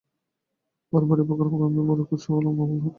আমার ভারি উপকার হবে, আমি বড়ো খুশি হলুম অবলাকান্তবাবু!